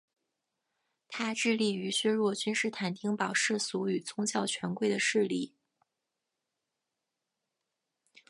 他致力于削弱君士坦丁堡世俗与宗教权贵的势力。